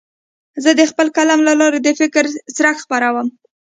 زه د خپل قلم له لارې د فکر څرک خپروم.